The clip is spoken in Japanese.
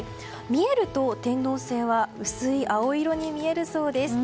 見えると天王星は薄い青色に見えるそうです。